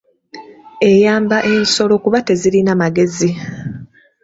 Eyamba ensolo kuba tezirina magezi.